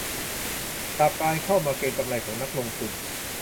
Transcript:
จากการเข้ามาเก็งกำไรของนักลงทุน